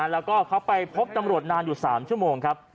แล้วก็เขาไปพบตำรวจนานอยู่๓ชั่วโมงครับ